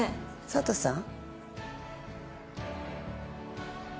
佐都さん。